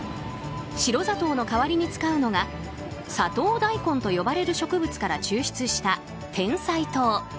白砂糖の代わりに使うのがサトウダイコンと呼ばれる植物から抽出したてんさい糖。